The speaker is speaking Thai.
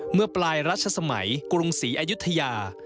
เมื่อปลายรัชสมัยกรุงศรีอายุทยา